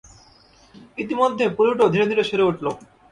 ইতিমধ্যে প্লুটো ধীরে ধীরে সেরে উঠল।